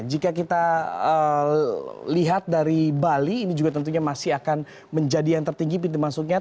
jika kita lihat dari bali ini juga tentunya masih akan menjadi yang tertinggi pintu masuknya